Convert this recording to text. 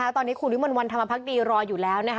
ตอนนี้ครูนิมนต์วันธรรมพักต์ดีรออยู่แล้ว